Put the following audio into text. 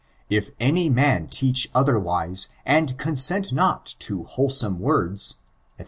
*'If any man teach otherwise, and consent not to wholesome words," &c.